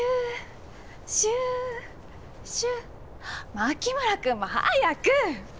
牧村君も早く！